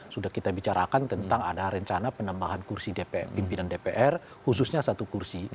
sudah kita bicarakan tentang ada rencana penambahan kursi pimpinan dpr khususnya satu kursi